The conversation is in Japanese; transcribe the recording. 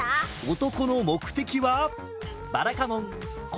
男の目的は？